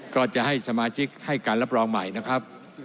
ก็จะให้สมาชิกให้การรับรองใหม่นะครับ